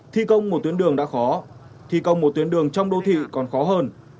thi công một tuyến đường đã khó thi công một tuyến đường trong đô thị còn khó hơn